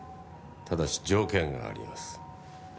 ただし条件があります。